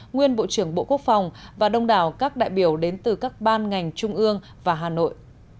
nguyên bộ trưởng bộ quốc phòng và đông đảo các đại biểu đến từ các ban ngành trung ương và hà nội